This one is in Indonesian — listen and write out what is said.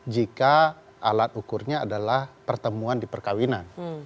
jika alat ukurnya adalah pertemuan di perkawinan